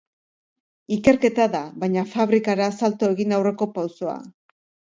Ikerketa da, baina fabrikara salto egin aurreko pausoa.